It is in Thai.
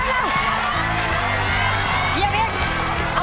เริ่มอายุทั้งผม